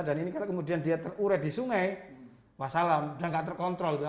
dan ini kalau kemudian dia teruret di sungai wassalam dan gak terkontrol